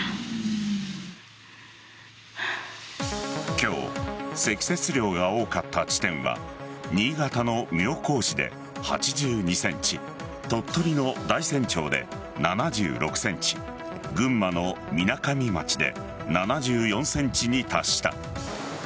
今日、積雪量が多かった地点は新潟の妙高市で８２ｃｍ鳥取の大山町で７６ｃｍ群馬のみなかみ町で７４ｃｍに達した。